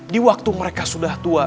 di waktu mereka sudah berada di rumah